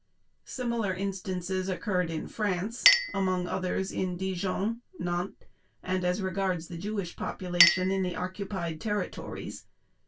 Similar instances occurred in France, among others in Dijon, Nantes, and as regards the Jewish population in the occupied territories.